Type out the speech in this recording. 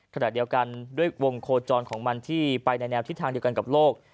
ขณะเดียวกันด้วยวงโคจรของมันที่ไปในแนวทิศทางเดียวกันกับโลก